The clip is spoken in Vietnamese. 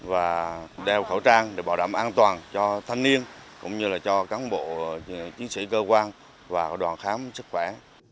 và đeo khẩu trang để bảo đảm an toàn cho thanh niên cũng như là cho cán bộ chiến sĩ cơ quan và đoàn khám sức khỏe